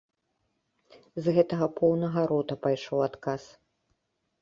З гэтага поўнага рота пайшоў адказ.